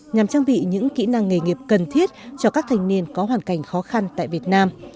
nhằm trang bị những kỹ năng nghề nghiệp cần thiết cho các thanh niên có hoàn cảnh khó khăn tại việt nam